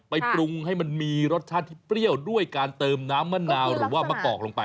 ปรุงให้มันมีรสชาติที่เปรี้ยวด้วยการเติมน้ำมะนาวหรือว่ามะกอกลงไป